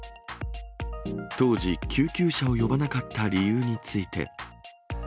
当時、救急車を呼ばなかった理由について。